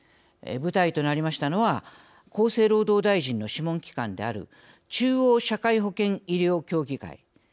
舞台となりましたのは厚生労働大臣の諮問機関である中央社会保険医療協議会。